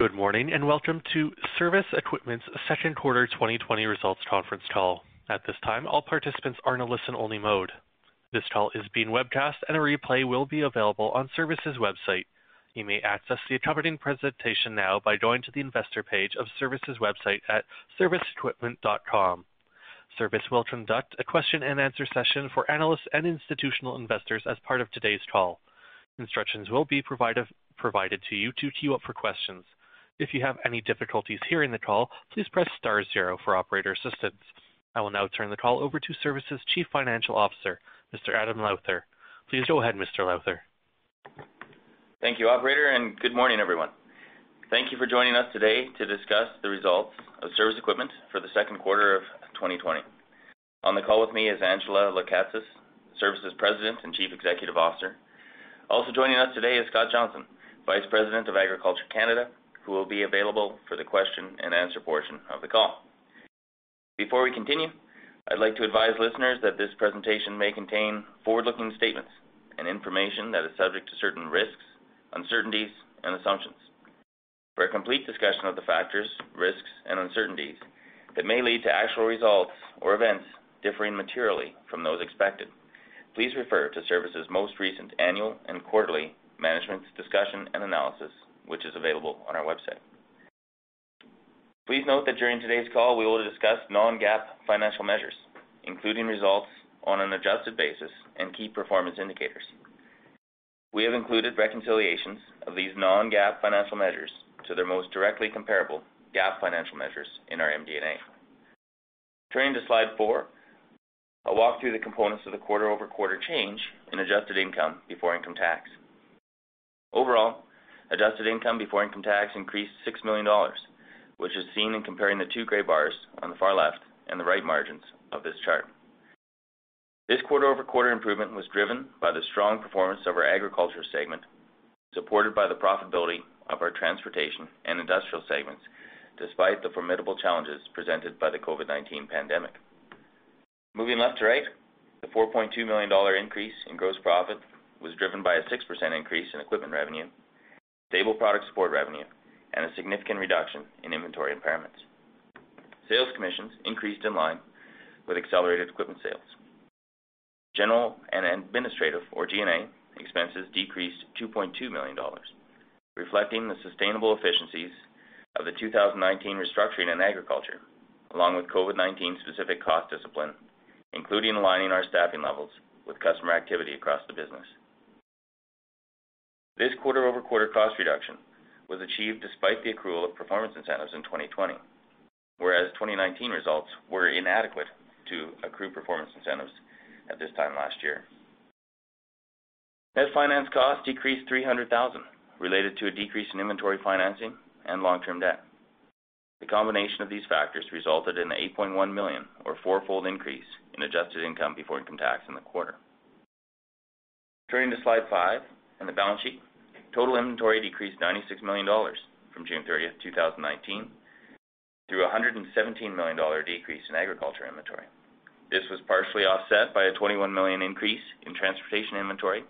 Good morning, welcome to Cervus Equipment's second quarter 2020 results conference call. At this time, all participants are in a listen-only mode. This call is being webcast, and a replay will be available on Cervus's website. You may access the accompanying presentation now by going to the investor page of Cervus's website at cervusequipment.com. Cervus will conduct a question-and-answer session for analysts and institutional investors as part of today's call. Instructions will be provided to you to queue up for questions. If you have any difficulties hearing the call, please press star zero for operator assistance. I will now turn the call over to Cervus's Chief Financial Officer, Mr. Adam Lowther. Please go ahead, Mr. Lowther. Thank you, operator, good morning, everyone. Thank you for joining us today to discuss the results of Cervus Equipment for the second quarter of 2020. On the call with me is Angela Lekatsas, Cervus's President and Chief Executive Officer. Also joining us today is Scott Johnston, Vice President of Agriculture Canada, who will be available for the question-and-answer portion of the call. Before we continue, I'd like to advise listeners that this presentation may contain forward-looking statements and information that is subject to certain risks, uncertainties, and assumptions. For a complete discussion of the factors, risks, and uncertainties that may lead to actual results or events differing materially from those expected, please refer to Cervus's most recent annual and quarterly Management's Discussion and Analysis, which is available on our website. Please note that during today's call, we will discuss non-GAAP financial measures, including results on an adjusted basis and key performance indicators. We have included reconciliations of these non-GAAP financial measures to their most directly comparable GAAP financial measures in our MD&A. Turning to slide four, I'll walk through the components of the quarter-over-quarter change in adjusted income before income tax. Overall, adjusted income before income tax increased 6 million dollars, which is seen in comparing the two gray bars on the far left and the right margins of this chart. This quarter-over-quarter improvement was driven by the strong performance of our agriculture segment, supported by the profitability of our transportation and industrial segments, despite the formidable challenges presented by the COVID-19 pandemic. Moving left to right, the 4.2 million dollar increase in gross profit was driven by a 6% increase in equipment revenue, stable product support revenue, and a significant reduction in inventory impairments. Sales commissions increased in line with accelerated equipment sales. General and administrative, or G&A, expenses decreased 2.2 million dollars, reflecting the sustainable efficiencies of the 2019 restructuring in agriculture, along with COVID-19 specific cost discipline, including aligning our staffing levels with customer activity across the business. This quarter-over-quarter cost reduction was achieved despite the accrual of performance incentives in 2020, whereas 2019 results were inadequate to accrue performance incentives at this time last year. Net finance costs decreased 300,000 related to a decrease in inventory financing and long-term debt. The combination of these factors resulted in an 8.1 million or fourfold increase in adjusted income before income tax in the quarter. Turning to slide five and the balance sheet, total inventory decreased 96 million dollars from June 30th, 2019 through a 117 million dollar decrease in agriculture inventory. This was partially offset by a 21 million increase in transportation inventory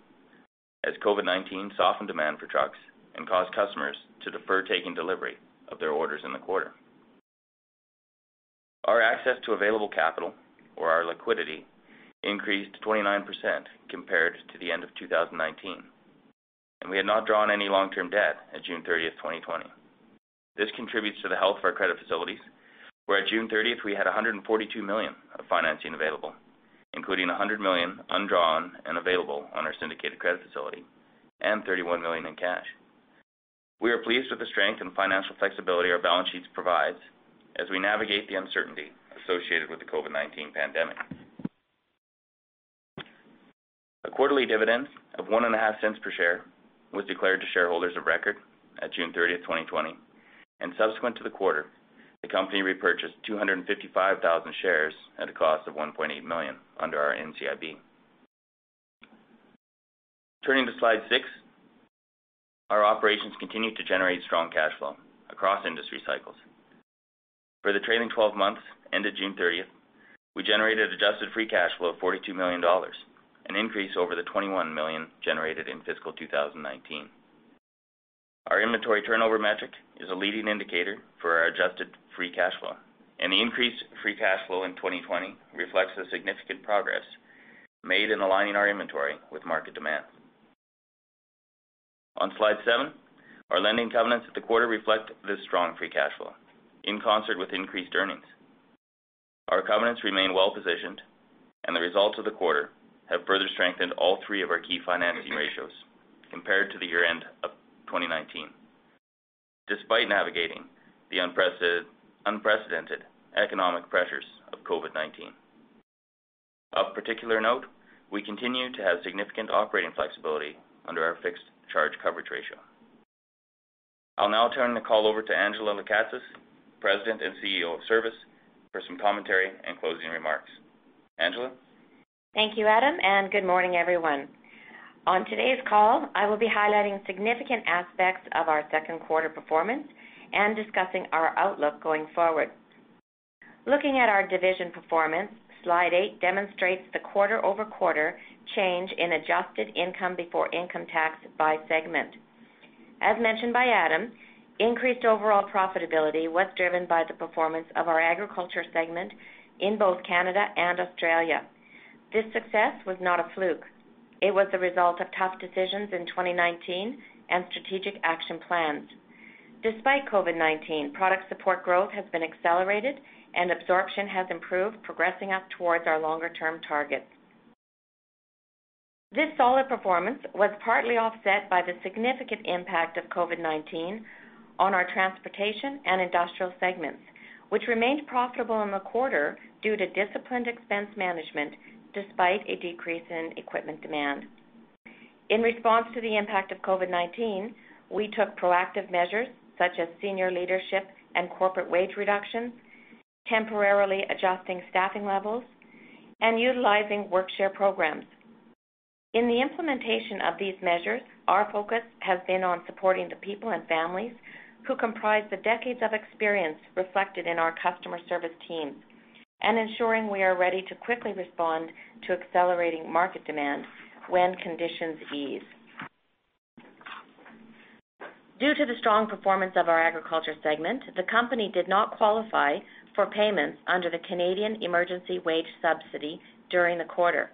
as COVID-19 softened demand for trucks and caused customers to defer taking delivery of their orders in the quarter. Our access to available capital or our liquidity increased 29% compared to the end of 2019, and we had not drawn any long-term debt at June 30th, 2020. This contributes to the health of our credit facilities, where at June 30th, we had 142 million of financing available, including 100 million undrawn and available on our syndicated credit facility and 31 million in cash. We are pleased with the strength and financial flexibility our balance sheets provide as we navigate the uncertainty associated with the COVID-19 pandemic. A quarterly dividend of 0.015 per share was declared to shareholders of record at June 30th, 2020. Subsequent to the quarter, the company repurchased 255,000 shares at a cost of 1.8 million under our NCIB. Turning to slide six, our operations continue to generate strong cash flow across industry cycles. For the trailing 12 months ended June 30th, we generated adjusted free cash flow of 42 million dollars, an increase over the 21 million generated in fiscal 2019. Our inventory turnover metric is a leading indicator for our adjusted free cash flow, and the increased free cash flow in 2020 reflects the significant progress made in aligning our inventory with market demand. On slide seven, our lending covenants at the quarter reflect this strong free cash flow in concert with increased earnings. Our covenants remain well-positioned, and the results of the quarter have further strengthened all three of our key financing ratios compared to the year-end of 2019, despite navigating the unprecedented economic pressures of COVID-19. Of particular note, we continue to have significant operating flexibility under our fixed charge coverage ratio. I'll now turn the call over to Angela Lekatsas, President and CEO of Cervus, for some commentary and closing remarks. Angela? Thank you, Adam, and good morning, everyone. On today's call, I will be highlighting significant aspects of our second quarter performance and discussing our outlook going forward. Looking at our division performance, slide eight demonstrates the quarter-over-quarter change in adjusted income before income tax by segment. As mentioned by Adam, increased overall profitability was driven by the performance of our agriculture segment in both Canada and Australia. This success was not a fluke. It was the result of tough decisions in 2019 and strategic action plans. Despite COVID-19, product support growth has been accelerated and absorption has improved, progressing up towards our longer-term targets. This solid performance was partly offset by the significant impact of COVID-19 on our transportation and industrial segments, which remained profitable in the quarter due to disciplined expense management despite a decrease in equipment demand. In response to the impact of COVID-19, we took proactive measures such as senior leadership and corporate wage reductions, temporarily adjusting staffing levels and utilizing work share programs. In the implementation of these measures, our focus has been on supporting the people and families who comprise the decades of experience reflected in our customer service team and ensuring we are ready to quickly respond to accelerating market demand when conditions ease. Due to the strong performance of our agriculture segment, the company did not qualify for payments under the Canada Emergency Wage Subsidy during the quarter,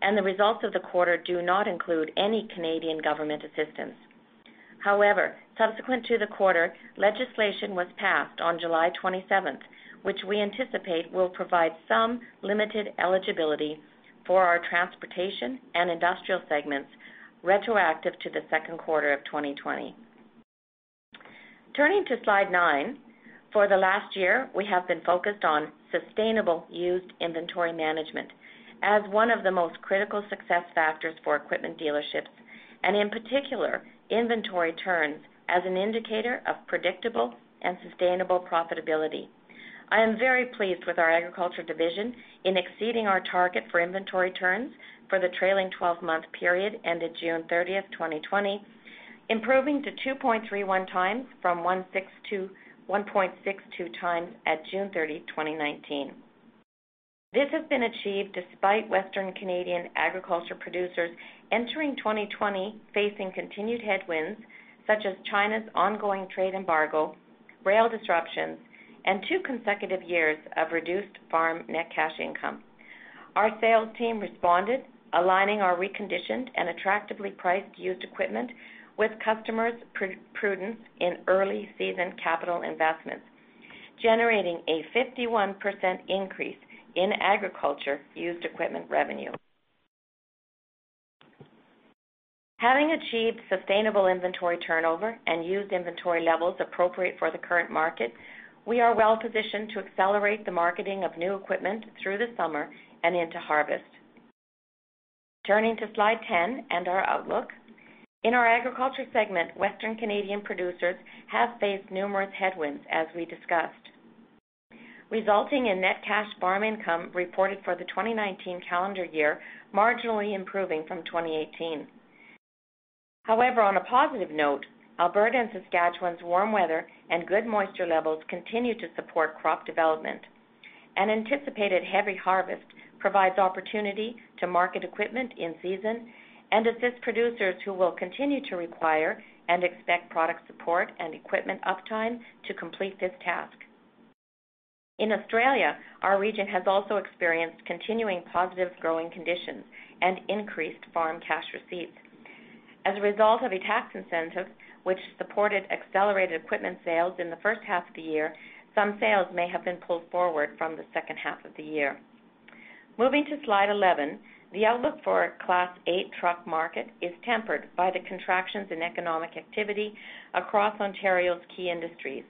and the results of the quarter do not include any Canadian government assistance. Subsequent to the quarter, legislation was passed on July 27th, which we anticipate will provide some limited eligibility for our transportation and industrial segments retroactive to the second quarter of 2020. Turning to slide nine. For the last year, we have been focused on sustainable used inventory management as one of the most critical success factors for equipment dealerships, and in particular, inventory turns as an indicator of predictable and sustainable profitability. I am very pleased with our agriculture division in exceeding our target for inventory turns for the trailing 12-month period ended June 30th, 2020, improving to 2.31 times from 1.62 times at June 30, 2019. This has been achieved despite Western Canadian agriculture producers entering 2020 facing continued headwinds such as China's ongoing trade embargo, rail disruptions, and two consecutive years of reduced net cash farm income. Our sales team responded, aligning our reconditioned and attractively priced used equipment with customers' prudence in early season capital investments, generating a 51% increase in agriculture used equipment revenue. Having achieved sustainable inventory turnover and used inventory levels appropriate for the current market, we are well-positioned to accelerate the marketing of new equipment through the summer and into harvest. Turning to slide 10 and our outlook. In our agriculture segment, Western Canadian producers have faced numerous headwinds, as we discussed, resulting in net cash farm income reported for the 2019 calendar year marginally improving from 2018. However, on a positive note, Alberta and Saskatchewan's warm weather and good moisture levels continue to support crop development. An anticipated heavy harvest provides opportunity to market equipment in season and assist producers who will continue to require and expect product support and equipment uptime to complete this task. In Australia, our region has also experienced continuing positive growing conditions and increased farm cash receipts. As a result of a tax incentive which supported accelerated equipment sales in the first half of the year, some sales may have been pulled forward from the second half of the year. Moving to slide 11, the outlook for Class 8 truck market is tempered by the contractions in economic activity across Ontario's key industries.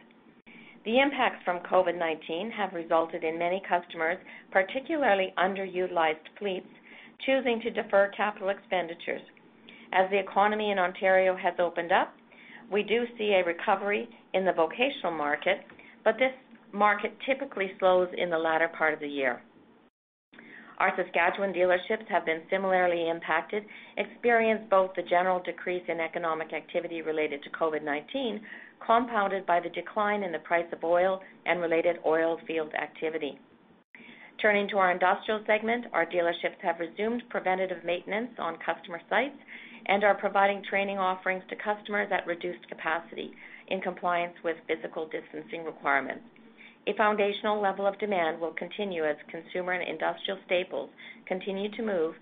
The impacts from COVID-19 have resulted in many customers, particularly underutilized fleets, choosing to defer capital expenditures. As the economy in Ontario has opened up, we do see a recovery in the vocational market, but this market typically slows in the latter part of the year. Our Saskatchewan dealerships have been similarly impacted, experienced both the general decrease in economic activity related to COVID-19, compounded by the decline in the price of oil and related oil field activity. Turning to our industrial segment, our dealerships have resumed preventative maintenance on customer sites and are providing training offerings to customers at reduced capacity in compliance with physical distancing requirements. A foundational level of demand will continue as consumer and industrial staples continue to move,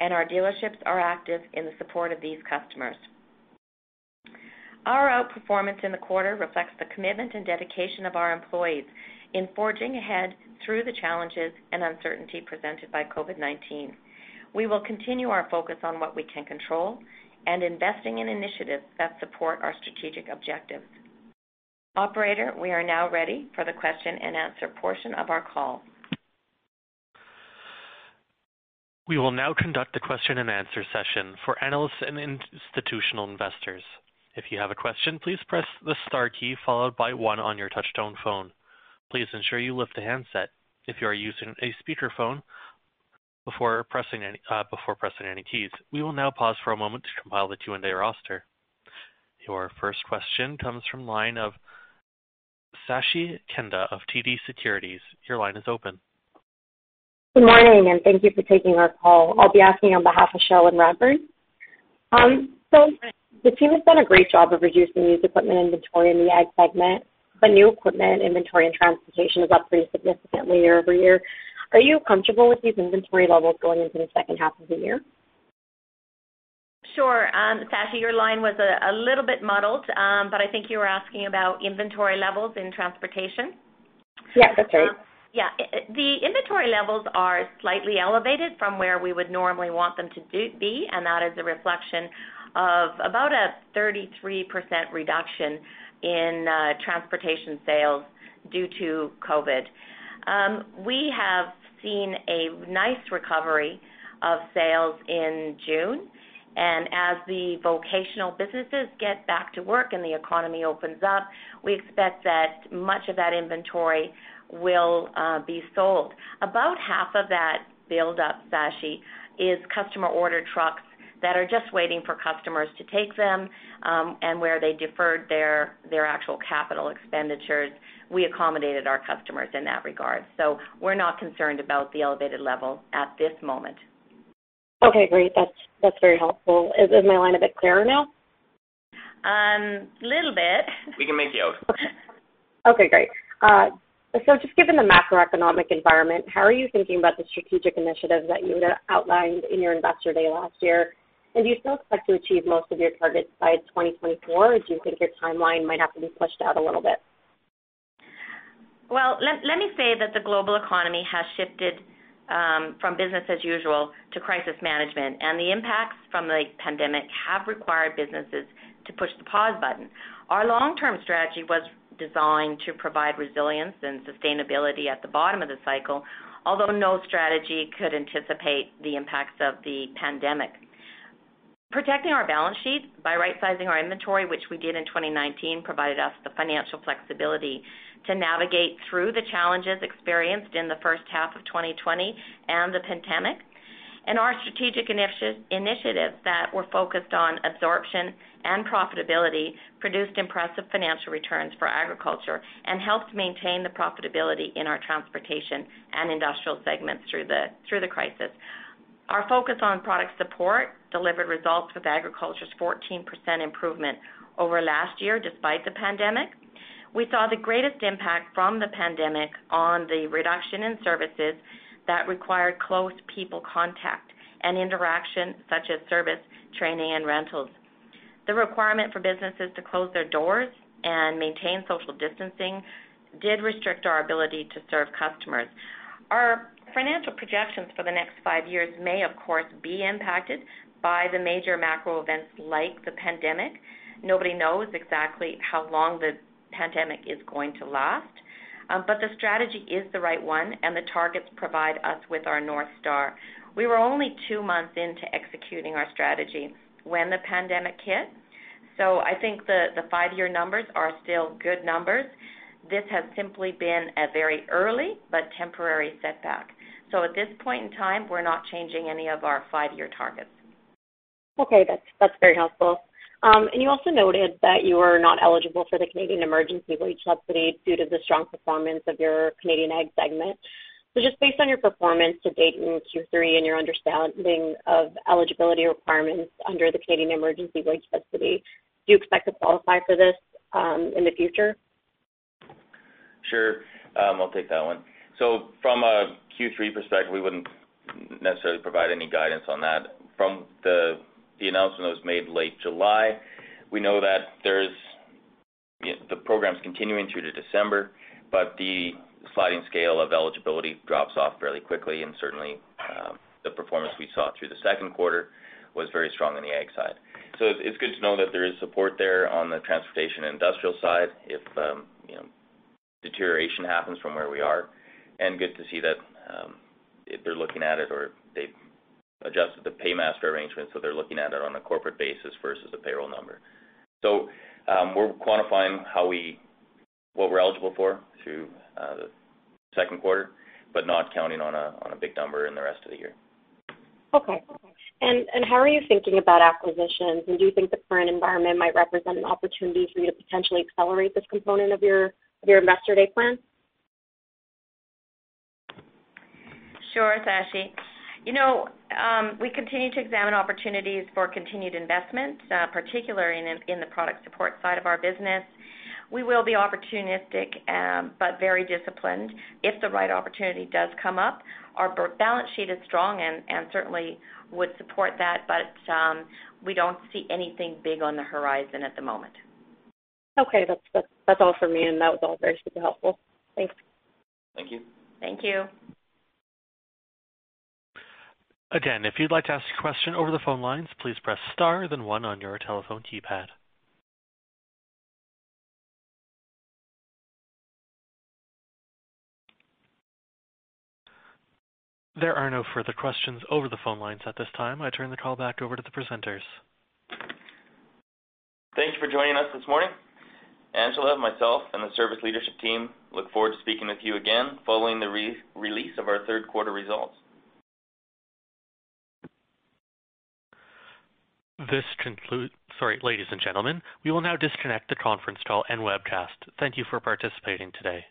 and our dealerships are active in the support of these customers. Our outperformance in the quarter reflects the commitment and dedication of our employees in forging ahead through the challenges and uncertainty presented by COVID-19. We will continue our focus on what we can control and investing in initiatives that support our strategic objectives. Operator, we are now ready for the question-and-answer portion of our call. We will now conduct the question-and-answer session for analysts and institutional investors. If you have a question, please press the star key followed by one on your touch-tone phone. Please ensure you lift the handset if you are using a speakerphone before pressing any keys. We will now pause for a moment to compile the queue and their roster. Your first question comes from line of Sakshi Kanda of TD Securities. Your line is open. Good morning, and thank you for taking our call. I'll be asking on behalf of Cherilyn Radbourne. The team has done a great job of reducing used equipment inventory in the ag segment. New equipment inventory and transportation is up pretty significantly year-over-year. Are you comfortable with these inventory levels going into the second half of the year? Sure. Sakshi, your line was a little bit muddled, but I think you were asking about inventory levels in transportation. Yeah, that's right. The inventory levels are slightly elevated from where we would normally want them to be, and that is a reflection of about a 33% reduction in transportation sales due to COVID-19. We have seen a nice recovery of sales in June, and as the vocational businesses get back to work and the economy opens up, we expect that much of that inventory will be sold. About half of that buildup, Sakshi, is customer order trucks that are just waiting for customers to take them, and where they deferred their actual capital expenditures. We accommodated our customers in that regard, so we're not concerned about the elevated level at this moment. Okay, great. That's very helpful. Is my line a bit clearer now? Little bit. We can make do. Okay. Okay, great. Just given the macroeconomic environment, how are you thinking about the strategic initiatives that you had outlined in your Investor Day last year? Do you still expect to achieve most of your targets by 2024, or do you think your timeline might have to be pushed out a little bit? Well, let me say that the global economy has shifted from business as usual to crisis management. The impacts from the pandemic have required businesses to push the pause button. Our long-term strategy was designed to provide resilience and sustainability at the bottom of the cycle. No strategy could anticipate the impacts of the pandemic. Protecting our balance sheet by right-sizing our inventory, which we did in 2019, provided us the financial flexibility to navigate through the challenges experienced in the first half of 2020 and the pandemic. Our strategic initiatives that were focused on absorption and profitability produced impressive financial returns for agriculture and helped maintain the profitability in our transportation and industrial segments through the crisis. Our focus on product support delivered results with agriculture's 14% improvement over last year despite the pandemic. We saw the greatest impact from the pandemic on the reduction in services that required close people contact and interaction such as service, training, and rentals. The requirement for businesses to close their doors and maintain social distancing did restrict our ability to serve customers. Our financial projections for the next five years may, of course, be impacted by the major macro events like the pandemic. Nobody knows exactly how long the pandemic is going to last. The strategy is the right one, and the targets provide us with our North Star. We were only two months into executing our strategy when the pandemic hit, so I think the five-year numbers are still good numbers. This has simply been a very early but temporary setback. At this point in time, we're not changing any of our five-year targets. Okay. That's very helpful. And you also noted that you are not eligible for the Canada Emergency Wage Subsidy due to the strong performance of your Canadian ag segment. Just based on your performance to date in Q3 and your understanding of eligibility requirements under the Canada Emergency Wage Subsidy, do you expect to qualify for this in the future? Sure. I'll take that one. From a Q3 perspective, we wouldn't necessarily provide any guidance on that. From the announcement that was made late July, we know that there's The program's continuing through to December, but the sliding scale of eligibility drops off fairly quickly, and certainly, the performance we saw through the second quarter was very strong on the ag side. It's good to know that there is support there on the transportation and industrial side if, you know, deterioration happens from where we are, and good to see that if they're looking at it or they've adjusted the paymaster arrangement, so they're looking at it on a corporate basis versus a payroll number. We're quantifying how we're eligible for through the second quarter, but not counting on a big number in the rest of the year. Okay. How are you thinking about acquisitions, and do you think the current environment might represent an opportunity for you to potentially accelerate this component of your Investor Day plan? Sure, Sakshi. You know, we continue to examine opportunities for continued investment, particularly in the product support side of our business. We will be opportunistic, very disciplined if the right opportunity does come up. Our balance sheet is strong and certainly would support that, we don't see anything big on the horizon at the moment. Okay. That's all for me, and that was all very super helpful. Thanks. Thank you. Thank you. Again, if you'd like to ask a question over the phone lines, please press star then one on your telephone keypad. There are no further questions over the phone lines at this time. I turn the call back over to the presenters. Thank you for joining us this morning. Angela, myself, and the Cervus leadership team look forward to speaking with you again following the re-release of our third quarter results. This concludes. Sorry. Ladies and gentlemen, we will now disconnect the conference call and webcast. Thank you for participating today.